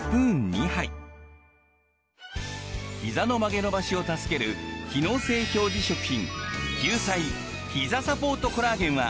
ひざの曲げ伸ばしを助ける機能性表示食品。